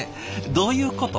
どういうこと？